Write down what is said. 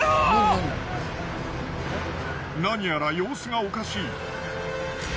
何やら様子がおかしい。